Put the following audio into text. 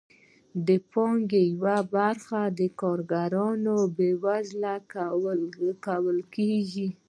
د پانګې یوه برخه د کارګرو په روزلو لګول کیږي.